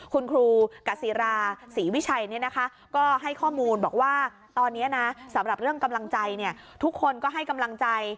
คุณครูกษีราศรีวิชัยก็ให้ข้อมูลบอกว่าตอนนี้นะสำหรับเรื่องกำลังใจทุกคนก็ให้กำลังใจ